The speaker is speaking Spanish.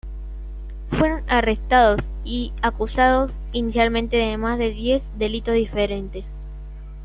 Fueron arrestados y acusados inicialmente de más de diez delitos diferentes.